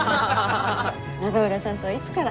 永浦さんとはいつから？